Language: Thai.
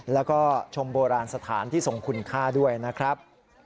แล้วก็ชมโบราณสถานที่ทรงคุณค่าด้วยนะครับ